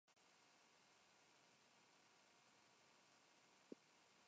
Conocido como un generoso filántropo, Thomas fundó el St.